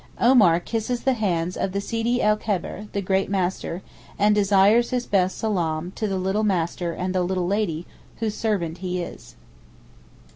Omar kisses the hands of the Sidi el Kebeer (the great master), and desires his best salaam to the little master and the little lady, whose servant he is.